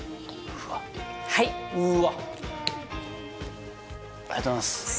うわっはいうーわありがとうございます